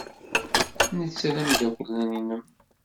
Netta d ameddakel-nnem.